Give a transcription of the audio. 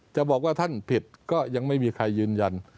จะบอกว่าท่านผิดก็ยังไม่มีใครยืนยัน